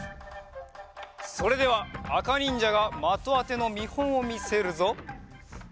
それではあかにんじゃがまとあてのみほんをみせるぞ。